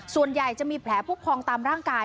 ส่วนใหญ่จะมีแผลผู้พองตามร่างกาย